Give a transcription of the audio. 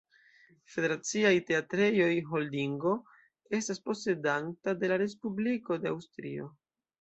Federaciaj Teatrejoj-Holdingo estas posedanta de la Respubliko de Aŭstrio.